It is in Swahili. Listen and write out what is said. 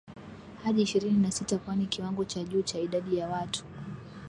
hadi ishirini na sita kwani kiwango cha juu cha idadi ya watu